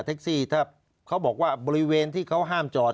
ถ้าเขาบอกว่าบริเวณที่เขาห้ามจอด